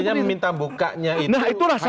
jadi intinya minta bukanya itu hanya itu saja